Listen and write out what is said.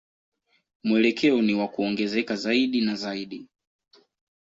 Mwelekeo ni wa kuongezeka zaidi na zaidi.